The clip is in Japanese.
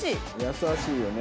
優しいよね。